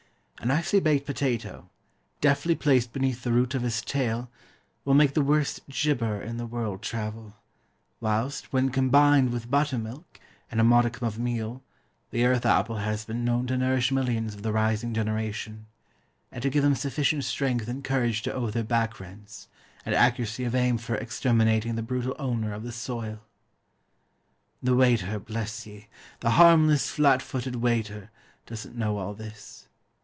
A nicely baked potato, deftly placed beneath the root of his tail, will make the worst "jibber" in the world travel; whilst, when combined with buttermilk, and a modicum of meal, the earth apple has been known to nourish millions of the rising generation, and to give them sufficient strength and courage to owe their back rents, and accuracy of aim for exterminating the brutal owner of the soil. The waiter, bless ye! the harmless, flat footed waiter, doesn't know all this.